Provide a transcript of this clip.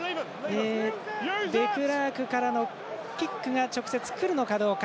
デクラークからのキックが直接、くるのかどうか。